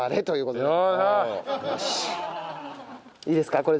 いいですか？